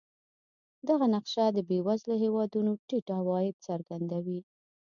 دغه نقشه د بېوزلو هېوادونو ټیټ عواید څرګندوي.